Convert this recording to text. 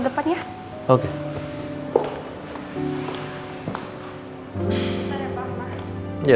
belum masuk masuk ya